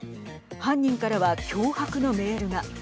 犯人からは脅迫のメールが。